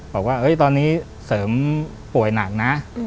บอกว่าตอนนี้เสริมป่วยหนักนะ